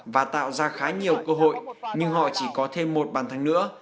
và tạo ra khá nhiều cơ hội nhưng họ chỉ có thêm một bàn thắng nữa